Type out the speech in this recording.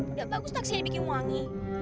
udah bagus taksinya bikin wangi